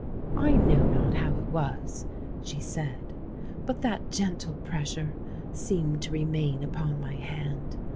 "I know not how it was," she said: "but that gentle pressure seemed to remain upon my hand.